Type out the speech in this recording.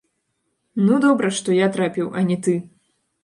Ну, добра, што я трапіў, а не ты!